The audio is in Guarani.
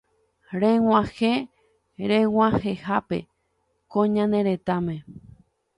reg̃uahẽ reg̃uahẽhápe ko ñane retãme